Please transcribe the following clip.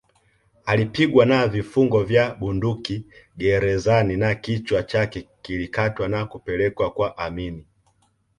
Alipigwa na vifungo vya bunduki gerezani na kichwa chake kilikatwa na kupelekwa kwa Amin